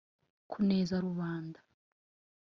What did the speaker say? kuneza rubanda